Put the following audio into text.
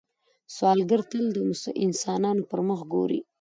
سوالګر تل د انسانانو پر مخ ګوري